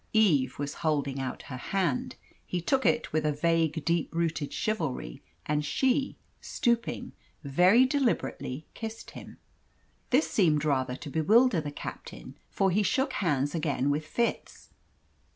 Eve was holding out her hand. He took it with a vague, deep rooted chivalry, and she, stooping, very deliberately kissed him. This seemed rather to bewilder the captain, for he shook hands again with Fitz.